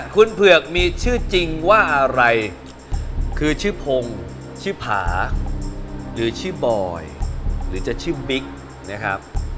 คุณเผือกมีชื่อจริงว่าอะไรคือชื่อพงศ์ชื่อผาหรือชื่อบอยหรือจะชื่อบิ๊กนะครับ